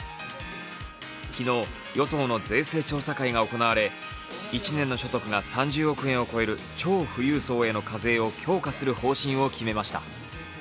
昨日、与党の税制調査会が行われ１年の所得が３０億円を超える超富裕層への課税を調整する方針を決めました。